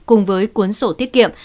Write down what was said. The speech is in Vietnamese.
cùng với cuốn sổ tiết kiệm